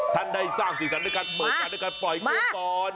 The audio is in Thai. ท่านได้สร้างสีสันด้วยการเปิดงานด้วยการปล่อยโคมก่อน